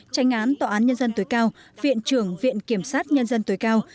tranh án tòa án nhân dân tối cao viện trưởng viện kiểm sát nhân dân tối cao